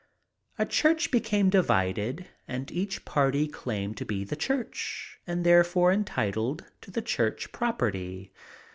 A church became divided and each party claimed to be the church, and therefore entitled to the church property.